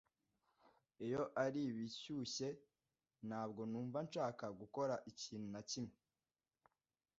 Iyo ari ibi bishyushye, ntabwo numva nshaka gukora ikintu na kimwe .